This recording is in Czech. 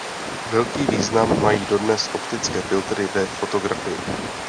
Velký význam mají dodnes optické filtry ve fotografii.